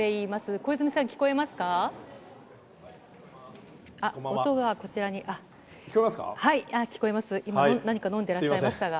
小泉さん、聞こえますか？